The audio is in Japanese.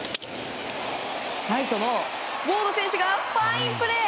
ライトのウォード選手がファインプレー。